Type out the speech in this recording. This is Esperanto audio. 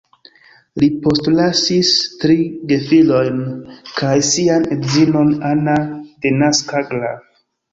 Li postlasis tri gefilojn kaj sian edzinon Anna denaska Graf.